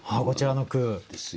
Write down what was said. こちらの句。